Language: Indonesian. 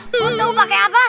kamu tahu pakai apa